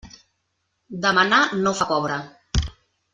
Demanar no fa pobre.